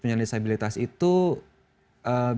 biasanya teman teman komunitas tuna netra itu